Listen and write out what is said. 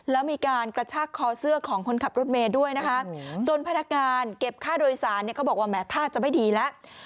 แล้วมีการกระชากคอเสื้อของคนขับรถเมย์ด้วยนะคะจนพนักงานเก็บค่าโดยสารเนี่ยเขาบอกว่าแม้ท่าจะไม่ดีแล้ว